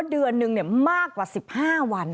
เดือนหนึ่งมากกว่า๑๕วัน